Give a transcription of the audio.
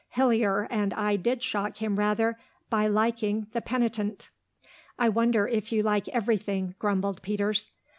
Hillier and I did shock him rather, by liking "The Penitent." "I wonder if you like everything," grumbled Peters.